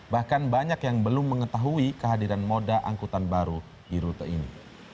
bahkan banyak yang belum mengetahui kehadiran moda angkutan baru di rute ini